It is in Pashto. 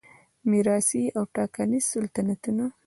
میراثي او ټاکنیز سلطنتونه